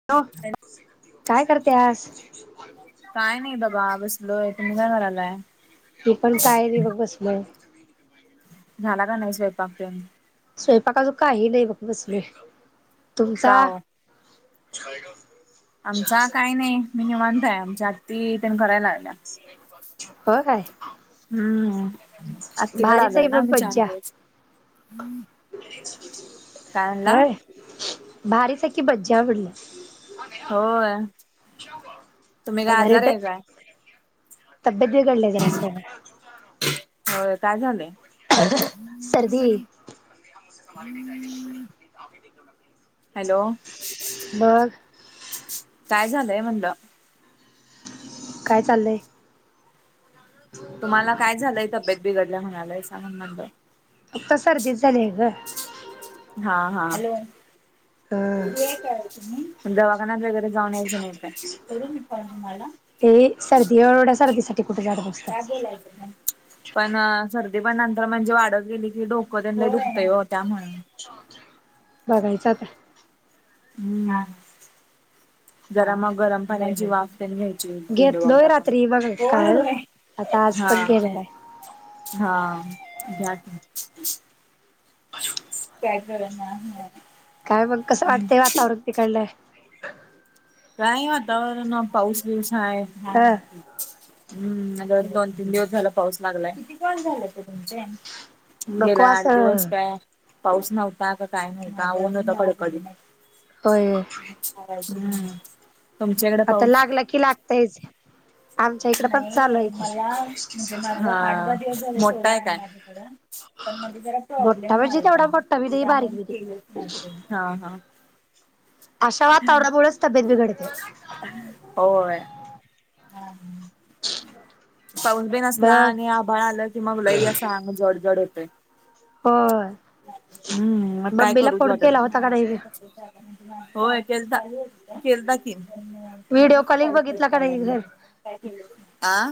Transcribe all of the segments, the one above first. Hello. [unintelligible] काय करत्यास? [inaudible] काय नाही बघा बसलोय, तुम्ही काय करालय? मी पण काय नी बघ बसलोय. झाला का नाही स्वयंपाक तेन? स्वयंपाक अजून काही नाही बग बसलोय, का तुमचा? ओ [inaudible] आमचा काही नाही मी निवांतय हाय, आमची आत्ती तेन कराय लागल्या. हो काय हम्म हम्म, आतीकडे भारीच आलोय आहे ना मग आम्ही चार मज्जा दिवस. काय म्हणला होय? भारीच हाय की बज्ज्या म्हनलं. होय तुम्ही काय आजार आहे काय [unintelligible] तब्येत बिघडलीया जरासं. होय, काय झालंय? सर्दी. [inaudible] [inaudible] हॅलो. बग. काय झालंय म्हणलं? काय चाललंय? तुम्हाला काय झालंय तब्येत बिघडल्या म्हणालयसा म्हणून म्हटलं? फक्त सर्दीच झाली ये ग. हां हां, हं मग दवाखान्यात वगैरे जाऊन यायचं नाही काय? ते सर्दी एवढ्या सर्दी साठी कुठे जात बसता? [inaudible] पण अ सर्दी पण नंतर म्हणजे वाढत गेली की डोकं तेन लय दुखतंय वो त्यां म्हणून. [inaudible] बघायच आता. हम्म. जरा मग गरम पाण्याची वाफ तेन घ्यायची झेंदुबाम घेतलोय टाकून. रात्री मग काल आता आज पण हां घेणार आहे घ्या की. काय करना हं. काय मग कसं वाटतंय वातावरण तिकडलं? काय वातावरण पाऊस बीऊस हाय ह हम्म, दोन तीन दिवस झाला पाऊस लागलाय. नको गेल्या आड असं दिवस काय पाऊस नव्हता का काय नव्हता ऊन होत कडकडी. होय. हम्म. तुमच्याकडे आता पाऊस? लागला की लागतयच. आमच्या इकडे पण चालू आहे की हां मोठा हाय काय? मोठा म्हणजे तेवढा मोठा बी नाही बारीक बी नाही हां हां. अशा वातावरणामुळेच तब्येत बिघडते. होय. हा पाऊस बी असला मग आणि आभाळ आला कि मग लई असं. मग जड जड होते. होय हम्म मग काय मम्मीला करूच फोन केला वाटतं होता का नाही होय केलता की केलता की व्हिडिओ कॉलिंग बघितला का नाही [unintelligible] हा.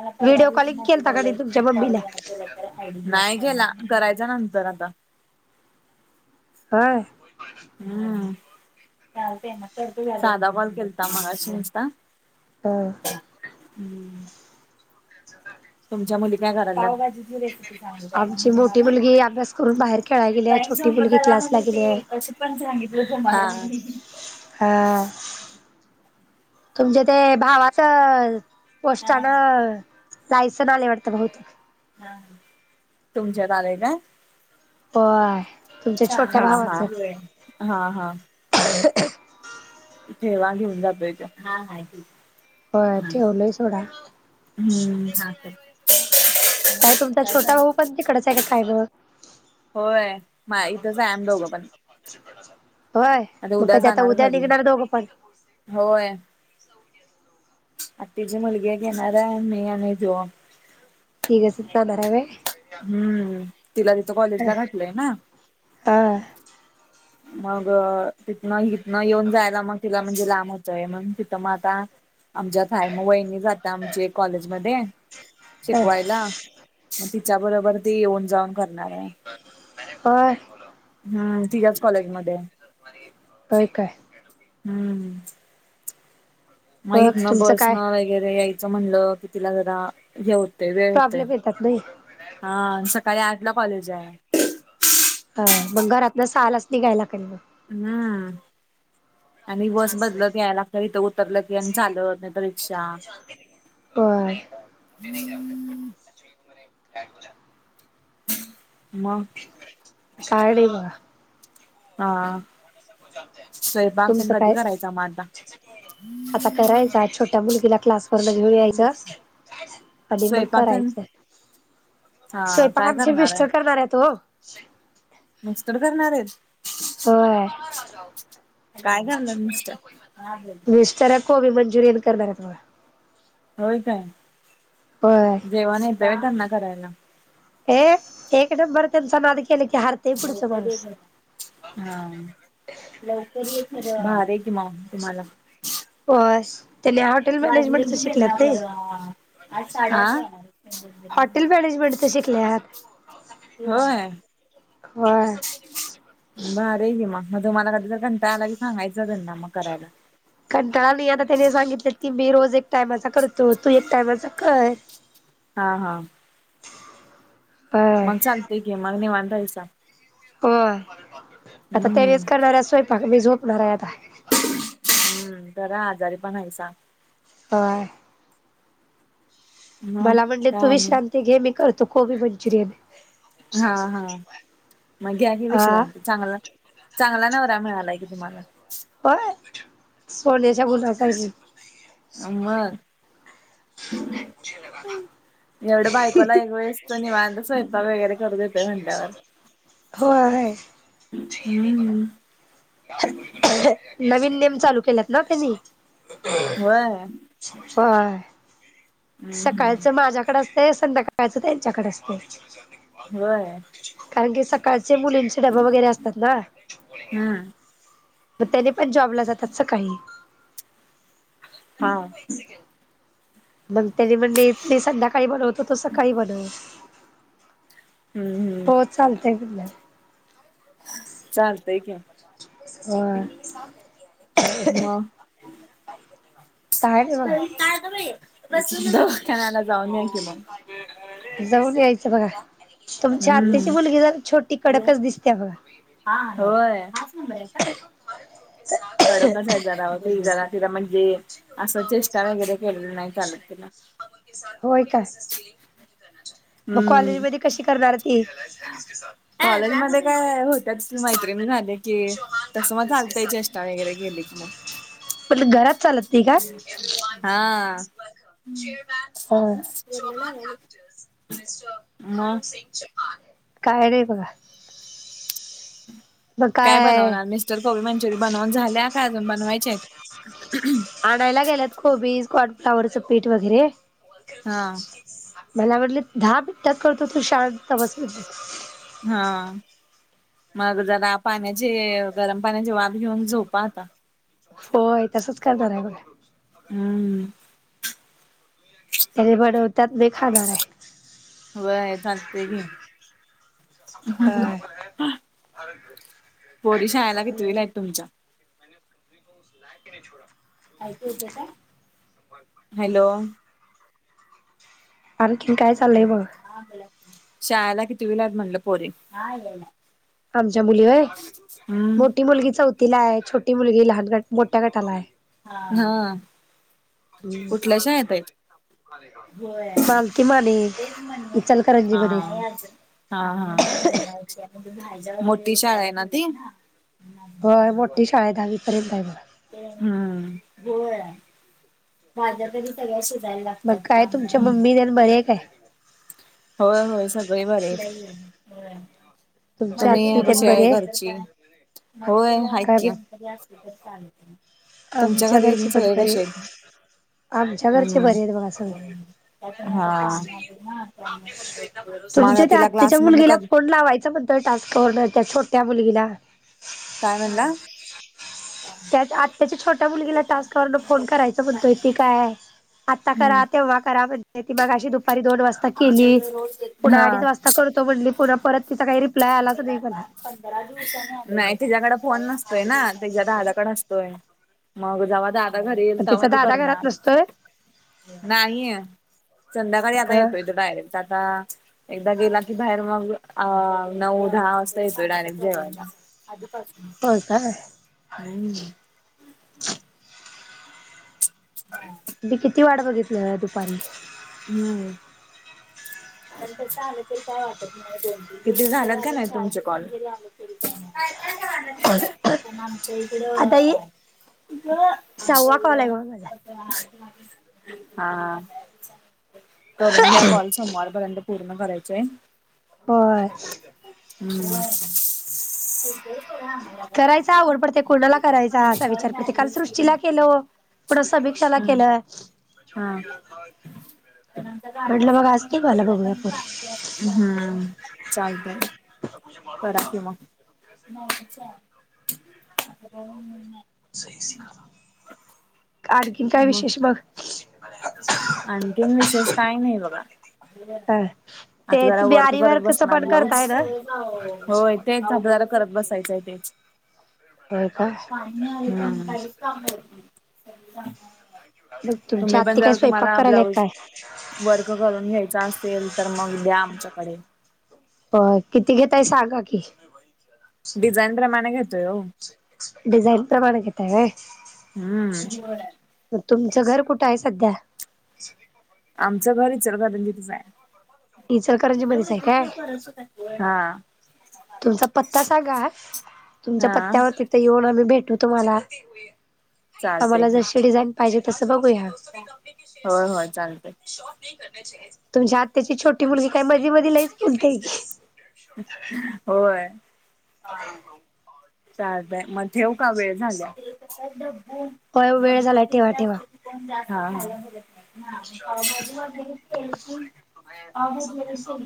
व्हिडिओ कॉलिंग केलता का नाही तुमच्या मम्मीला नाही केला करायचा नंतर आता. हा. हम्म चालतं साधा कॉल मगाशी नुसता [unintelligible] ह हम्म हम्म. तुमच्या मुली काय कराल्यात आमची मोठी मुलगी अभ्यास करून बाहेर खेळायला गेली आहे टाइम छोटी संपत मुलगी आला. क्लासला गेली आहे [unintelligible] पण सांगितलं. [unintelligible] हा तुमच्या ते भावाचं. पोस्टान लायसन आले वाटत बहुतेक. [unintelligible] हा तुमच्यात आले का. हो हा चालेलं हा हा हा हा. [unintelligible] ठेवा घेऊन जातोय त्योव हि ठेवलय सोडा. हम्म. [unintelligible] ताई तुमचा छोटा भाऊ पण तिकडच आहे काय खाणीवर. होय माई इथेच आहे दोघेपण. होय मग कधी आता जाणार उद्या घरी. निघणार दोघं पण. होय आतीची मुलगी घेणार आहे मी आणि ह्यो ती कशी [unintelligible] भरावे. हम्म तिला तिथं कॉलेजला घातलय ना. ह. मग तिथनं हिथनं येऊन जायला मग तिला म्हणजे लांब होतय मग तिथं मग आता. आमच्यात हाय वहिणी जात्या आमची एक कॉलेज मध्ये हा शिकवायला मग तिच्या बरोबर ती येऊन जाऊन करणार आहे. होय. हम्म तिच्याच कॉलेजमध्ये आहे. होय काय. हम्म मग हितन तुमचं बसन काय व वगैरे यायचं म्हणल कि तिला जरा हे होत वेळ होतय. प्रॉब्लेम येतात नाही हा सकाळी आठ ला कॉलेज आहे. अ मग घरातन सहालाच निघाय लागतय मग. हम्म. आणि बस बदलत यायला लागत इथं उतरलं की आणि चालत नाही तर रिक्षा. [unintelligible] हम्म. काय मग काय नाही बघा हा स्वयंपाक तेण कधी करायचां म आता. च. आता करायचं छोट्या मुलगीला क्लास. पोरीला घेऊन यायच आणि मग स्वयंपाक तेन करायचं. हा स्वयंपाक काय आमचे करणार आहे मिस्टर करणार आहे ओ. मिस्टर करणार आहेत. होय काय करणार मिस्टर मिस्टरच. कोबी मंचुरियन करणार आहेत बघा. होय काय. होय. जेवण येत व्हय त्यांना करायला. हे एक नंबर त्यांचा नाद केलं की हार. हा. लवकर ये खरं भारी आहे किम तुम्हाला. बस त्याने हॉटेल मॅनेजमेंटच शिकल्यात काय. ला हॉटेल मॅनेजमेंट च शिकल्यात होय. होय भारी आहे की मग मग तुम्हाला कधी तर कंटाळा आला की सांगायचा त्यांना मग करायला. कंटाळा नाही आता त्यानी सांगितलं की मी रोज टायमाचा करतो तू एक टायमाचा कर. हा हा. हं. मग चालतेय की मग निवांत हायस. हो आता हम्म त्यांनीच करणार आहे स्वयंपाक मी झोपणार आहे आता. हम्म जरा आजारी पण आहे सां व्हय. मग मला म्हणले तू काय आणि विश्रांती घे मी करतो कोबी मंचुरियन हा हा मग घ्याकी हा विश्रांती चांगल. चांगला नवरा मिळालाय की तुम्हाला. हो सोन्याच्या गुलापाहिजेत. हा मग. एवढं बायकोला एक वेळसच निवांत स्वयंपाक वगैरे करू देतोय म्हटल्यावर. हो आहे. हम्म. नवीन नियम चालू केलेत ना त्यांनी. व्हय. होय सकाळच हम्म माझ्याकडे असं. ते संध्याकाळचं त्यांच्याकडे असते. होय कारण की सकाळचे मुलींचे डबे वगैरे असतात ना. हम्म. मग तरी पण जॉब ला जातात सकाळी. हा. मग त्यानी म्हणले मी संध्याकाळी बनवतो तू सकाळी बनव. हम्म हो चालतय मनुया. चालतंय की. हय. मअ काय नाही बघा. परी काय गं बाई बसूनच [inaudible] जाऊन या की मग. जाऊन यायचं बघा तुमच्या आत्तीची हम्म. मुलगी जरा छोटी कडकच दिसतीया बघा. हा होय हाच नंबर आहे का? कडक आहे जरा ती जरा तीला म्हणजे, असं चेष्टा वगैरे केलेली नाही चालत तिला. होय काय मग कॉलेज हम्म. मध्ये कशी करणार ती? कॉलेज मध्ये काय होत्याच की मैत्रिणी झाल्या कि की तसं मग चालतंय चेष्टा वगैरे केली की मग म्हटलं घरात चालत नाही का. हा ह्अ मग काय नाही बघा. काय बनवणार मिस्टर कोबी मंचुरी बनवून झाल्या का अजून बनवायच्या आहित. आणायला गेल्यात कोबीज कॉर्नफ्लाॉवरचं पीठ वगैरे-‍- हा मला म्हटलीत दहा मिनटात करतो तू शांत बस म्हटलीत. हा मग जरा पाण्याच गरम पाण्याची वाफ घेऊन झोपा आता. होय तसच करणार आहे बघा. हम्म. ह्यांनी बनवतात मी खाणार आहं. होय चालतंय की. होय [unintelligible] पोरी शाळेला कितीवीला आहेत तुमच्या? [unintelligible] एकू यतेय काय हॅलो, आणखीन काय चाललंय बघा. शाळेला कितीवी आहेत म्हणलं पोरी? आमच्या मुली होय हम्म मोठी मुलगी चौथीला आहे. छोटी मुलगी लहान गट मोठ्या गटाला आहे. हा. ह् कुठल्या शाळेत आहेत चालतंय म आणि, इचलकरंजी मध्ये. हा हा हा मोठी शाळा आहे ना ती? होय मोठी शाळा आहं दहावी पर्यंत आहं बघा. हम्म. माझ्या तरी सगळ्या शिजायला मग लागत्यात काय काम. तुमच्या मम्मी तेन बरी हाय काय? होय होय सगळी बरी आहीत. तुमची तुम्ही आत्ती तेन कसे हाय बरी आहे. घरची? होय आहेत काय की. बी तुमच्या आमच्या घरी बी घरचे पण सगळे बरे कसे आहित. आमच्या घरचे बरे आहेत बघा सगळे. हा. माझा तुमच्या त्या तिला आत्याच्या क्लास मधन मुलगीला कधी फोन लावायचा म्हण तर टाॅस्क [inaudible] त्या छोट्या मुलगीला. काय म्हणला? त्या आत्याची छोट्या मुलगीला टास्का वून फोन करायचा म्हणतोय ती काय. आता हम्म. करा तेव्हा करा म्हणजे ती बघ अशी दुपारी दोन वाजता आमच्या केली. इकडे रोज येत हा. अडीच वाजता करतो म्हण परत तिचं काय रिप्लाय आलाच नाही जेवला मला. का? नाही त्याच्याकड फोन नसतोय ना त्याच्या दादाकडे असतोय. मग जेव्हा दादा घरी पण येईल तेव्हा तिचा ती दादा घरात करणार. नसतोय नाहीे संध्याकाळी आता हा येतोय तो डायरेक्ट. आता एकदा गेला की बाहेर मग अ नऊ दहा वाजता येतोय डायरेक्ट जेवायला आजीपासून. [unintelligible] हो का आहे. हम्म. [unintelligible] मी किती वाट बघितलं दुपारी. हम्म. किती झालात का नाही तुमचे कॉल. [unintelligible] [unintelligible] इकडं. आता ही सहावा कॉल आहे बघ माझा. [unintelligible] हा हा. करून घ्या कॉल सोमवारपर्यंत पूर्ण करायचय. होय हम्म. [unintelligible] करायच आवड पडते कोणाला असा पडते काल सृष्टीला केलं. पुढ सभिकषाल केलंय. हा. म्हटलं मग असजते मला बघूया. [unintelligible] हम्म चालतय करा कि मग. [unintelligible] आणखीन काय विशेष मग बघ? आणखीन विशेष काही नाही बघा. हा आता तेच गला वर्क ब्यारी करत वर्कच बसणार पण ब्लाऊज. करताय ना होय तेच जदार करत बसायचंय तेच. होय का. पणी क. [unintelligible] बघ तुमच्या आत्या. [unintelligible] तुम्हाला ब्लाऊज वर्क करून घ्यायचा असेल तर मग द्या आमच्याकडे. ब किती घेतात सांगा की? डिझाईन प्रमाणे घेताय होव. डिझाईन प्रमाणे घेताय होय. हम्म मग तुमचं घर कुठं आहे सध्या? आमच्या घरीचार रंजीतच आहे. हचरकरांची बरीच आहे काय. [unintelligible] हा. तुमचा पत्ता सांगा? तुमच्या हा पत्त्यावरती येऊन आम्ही भेटू तुम्हाला चालतय आम्हाला की जशी डिझाईन. पाहिजे तसं बघूया. होय होय चालतय [unintelligible] तुमच्या आत्याची छोटी मुलगी काय मध्ये मध्ये लईच बोलते की. होय चाज आहे. [unintelligible] ठेवू का वेळ झाल्या? [unintelligible] होय वेळ झालाय ठेवा ठेवा [unintelligible] हां हां. [unintelligible]